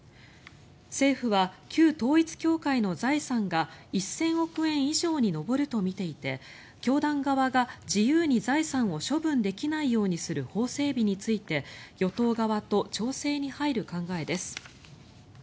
政府は旧統一教会の財産が１０００億円以上に上るとみていて教団側が自由に財産を処分できないようにする法整備について与党側と調整に入る考えです。